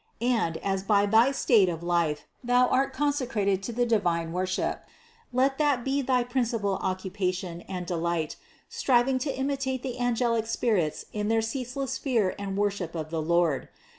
And as by thy state of life thou art consecrated to the divine worship, let that be thy principal occupation and delight, striving to imitate the angelic spirits in their ceaseless fear and worship of the Lord.